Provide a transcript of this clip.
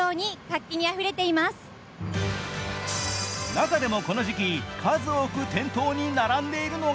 中でもこの時期、数多く店頭に並んでいるのが